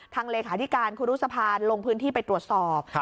เลขาธิการครูรุษภาลงพื้นที่ไปตรวจสอบ